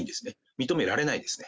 認められないですね。